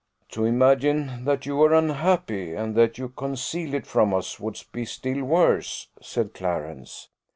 "To imagine that you were unhappy, and that you concealed it from us, would be still worse," said Clarence.